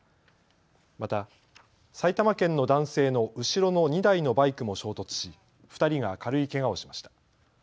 また埼玉県の男性の後ろの２台のバイクも衝突し２人が軽いけがをしました。